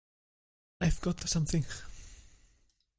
I've got something!